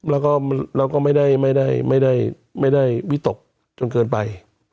เราก็ไม่ได้วิตกจนเกินไป